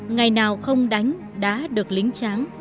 ngày nào không đánh đã được lính tráng